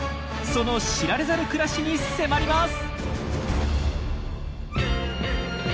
その知られざる暮らしに迫ります！